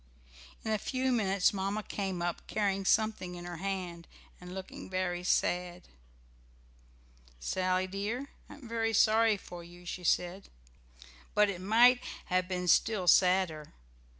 In a few minutes Mamma came up, carrying something in her hand, and looking very sad. "Sally dear, I am very sorry for you," she said, "but it might have been still sadder.